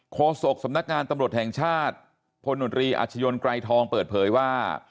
โศกสำนักงานตำรวจแห่งชาติพลโนตรีอาชญนไกรทองเปิดเผยว่า